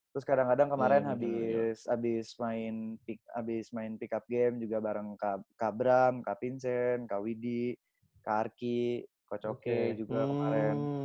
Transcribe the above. terus kadang kadang kemarin habis main pick up game juga bareng kak bram kak vincent kak widi kak arki coach oke juga kemarin